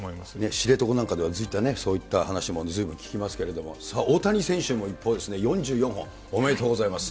知床なんかでは、そういった話もずいぶん聞きますけれども、大谷選手も、一方、４４本、おめでとうございます。